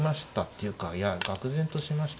っていうかいやがく然としましたね。